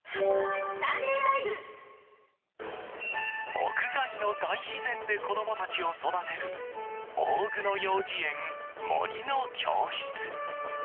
屋外の大自然で子供たちを育てる大久野幼稚園、森の教室。